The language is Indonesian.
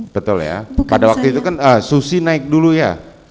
betul ya pada waktu itu kan susi naik dulu ya